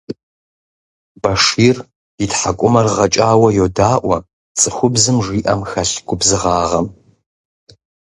Башир и тхьэкӀумэр гъэкӀауэ йодаӀуэ цӀыхубзым жиӀэм хэлъ губзыгъагъэм.